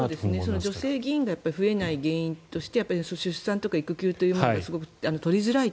女性議員が増えない原因として出産とか育休というものがすごく取りづらいと。